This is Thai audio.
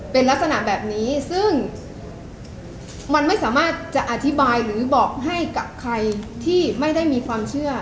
เป็นลักษณะแบบนี้ซึ่งมันไม่สามารถจะอธิบายหรือบอกให้กับใครที่ไม่ได้มีความเชื่อ